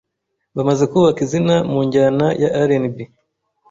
bamaze kubaka izina mu njyana ya R&B